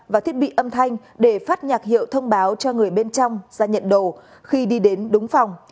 và thiết bị âm thanh để phát nhạc hiệu thông báo cho người bên trong ra nhận đồ khi đi đến đúng phòng